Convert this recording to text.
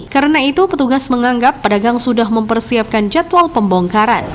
karena itu petugas menganggap pedagang sudah mempersiapkan jadwal pembongkaran